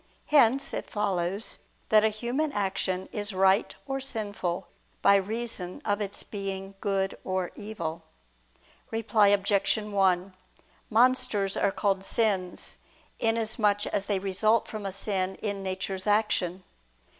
Hence it follows that a human action is right or sinful by reason of its being good or evil. Reply Obj. 1: Monsters are called sins, inasmuch as they result from a sin in nature's action.